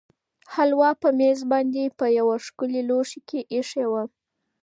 هلوا په مېز باندې په یوه ښکلي لوښي کې ایښې وه.